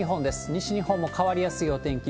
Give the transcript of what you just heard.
西日本も変わりやすいお天気。